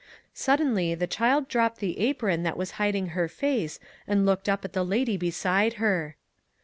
Sud denly the child dropped the apron that was hid ing her face and looked up at the lady beside her.